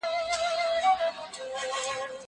زه بايد کالي وپرېولم؟!